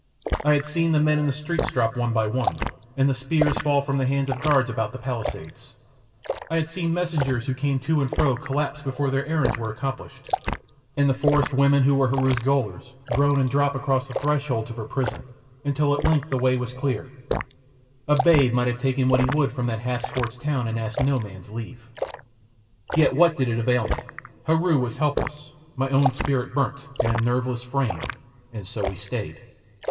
I had seen the men in the streets drop one by one, and the spears fall from the hands of guards about the pallisades; I had seen messengers who came to and fro collapse before their errands were accomplished, and the forest women, who were Heru's gaolers, groan and drop across the thresholds of her prison, until at length the way was clear a babe might have taken what he would from that half scorched town and asked no man's leave. Yet what did it avail me? Heru was helpless, my own spirit burnt in a nerveless frame, and so we stayed.